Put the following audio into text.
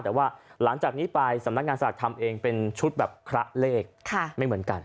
แต่ว่าหลังจากนี้ไปสำนักงานสลากทำเองเป็นชุดแบบคละเลขไม่เหมือนกัน